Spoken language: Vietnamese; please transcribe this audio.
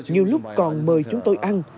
nhiều lúc còn mời chúng tôi ăn